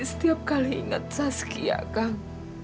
setiap kali ingat saskia kang